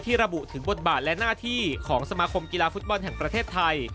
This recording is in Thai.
ระบุถึงบทบาทและหน้าที่ของสมาคมกีฬาฟุตบอลแห่งประเทศไทย